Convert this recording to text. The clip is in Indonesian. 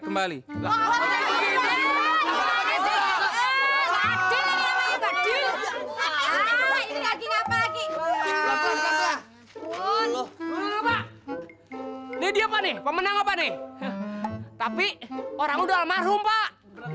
sekali lagi lagi pemenang apa nih tapi orang udah almarhum pak